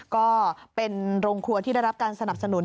ก็เป็นโรงครัวที่ได้รับการสนับสนุน